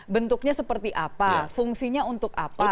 bentuknya seperti apa fungsinya untuk apa